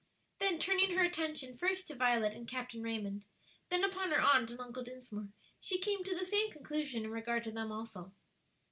Then turning her attention first to Violet and Captain Raymond, then upon her Aunt and Uncle Dinsmore, she came to the same conclusion in regard to them also.